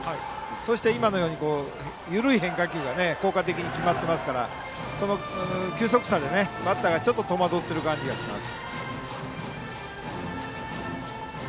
そして、今のように緩い変化球が効果的に決まってますからその球速差でバッターがちょっと戸惑っている感じがします。